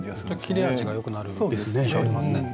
切れ味がよくなる印象ありますね。